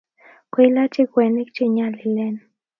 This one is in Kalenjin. Koilachi kweinik che nyalilen